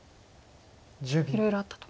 いろいろあったと。